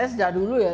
saya sejak dulu ya